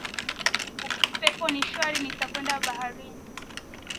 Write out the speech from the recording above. Upepo ni shwari nitakwenda baharini